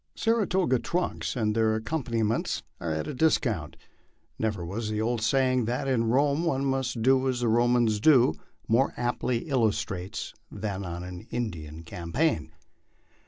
Saratoga trunks and their accompaniments are at a discount. Never was the old saying that in Rome one must do as Romans do more aptly illustrated than on an Indian campaign.